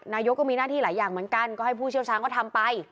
นายกก็มีหน้าที่หลายอย่างเหมือนกันก็ให้ผู้เชี่ยวช้างก็ทำไป